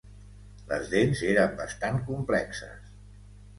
Les dents eren bastants complexes.